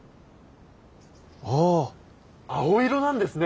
ああ青色なんですね！